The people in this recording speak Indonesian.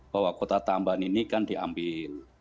bahwa kuota tambahan ini kan diambil